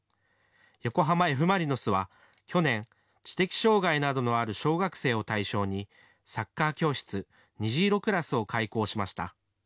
横浜Ｆ・マリノスは去年、知的障害などのある小学生を対象に、サッカー教室、にじいろくらすを開講しました。